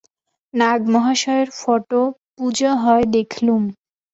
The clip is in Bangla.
নাগ-মহাশয়ের ফটো পূজা হয় দেখলুম।